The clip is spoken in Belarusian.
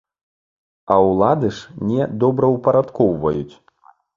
А ўлады ж не добраўпарадкоўваюць.